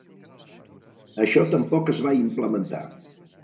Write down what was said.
Això tampoc es va implementar.